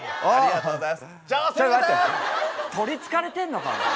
とりつかれてんのかお前。